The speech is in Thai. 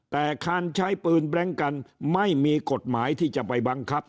แต่การใช้ปืนแบล็งกันไม่มีกฎหมายที่จะไปบังคับ